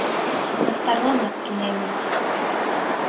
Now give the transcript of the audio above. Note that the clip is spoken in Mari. Мастарланат тунемын.